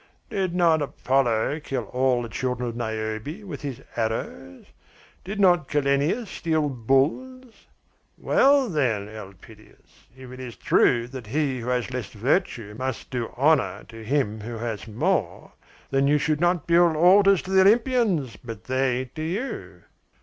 Did not Apollo kill all the children of Niobe with his arrows? Did not Callenius steal bulls? Well, then, Elpidias, if it is true that he who has less virtue must do honour to him who has more, then you should not build altars to the Olympians, but they to you."